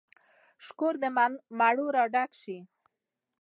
شکور د مڼو را ډک شي